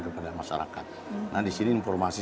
kepada masyarakat nah di sini informasi